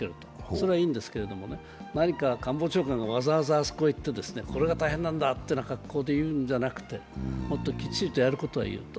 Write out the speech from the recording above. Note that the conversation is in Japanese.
それはいいんですけれども、何か官房長官がわざわざあそこに行って、これが大変なんだと言うのではなくてもっときっちりとやることは言うと。